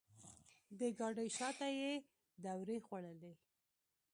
د ګاډۍ شاته یې دورې خوړلې.